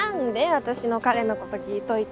私の彼のこと聞いといて。